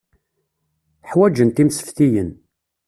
Ḥwaǧent imseftiyen.